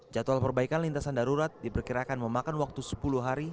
jadwal perbaikan lintasan darurat diperkirakan memakan waktu sepuluh hari